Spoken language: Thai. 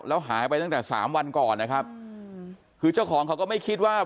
แล้วหายไปตั้งแต่สามวันก่อนนะครับคือเจ้าของเขาก็ไม่คิดว่า